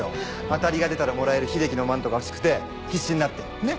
当たりが出たらもらえる秀樹のマントが欲しくて必死になってね？